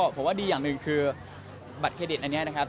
ผมว่าดีอย่างนึงคือบัตรเครดิทนะครับ